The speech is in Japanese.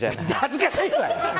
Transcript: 恥ずかしいわ！